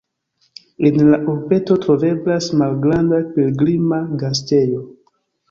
En la urbeto troveblas malgranda pilgrima gastejo.